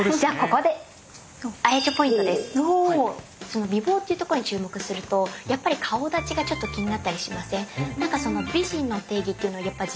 その美貌っていうところに注目するとやっぱり顔だちがちょっと気になったりしません？